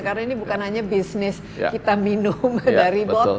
karena ini bukan hanya bisnis kita minum dari botol